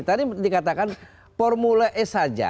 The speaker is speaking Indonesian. tadi dikatakan formula e saja